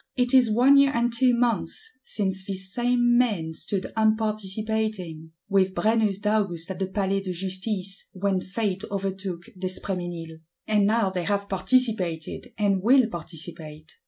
It is one year and two months since these same men stood unparticipating, with Brennus d'Agoust at the Palais de Justice, when Fate overtook d'Espréménil; and now they have participated; and will participate.